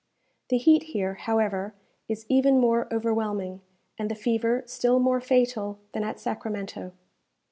The heat here, however, is even more overwhelming, and the fever still more fatal, than at Sacramento.